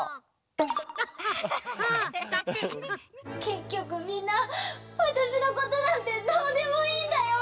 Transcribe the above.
けっきょくみんなわたしのことなんてどうでもいいんだよ！